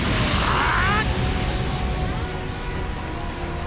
ああ。